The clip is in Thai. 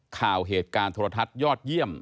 ข่าวเหตุการณ์โทรทัศน์ยอดเยี่ยม